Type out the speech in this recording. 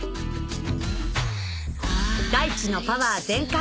大地のパワー全開！